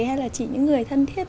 hay là chỉ những người thân thiết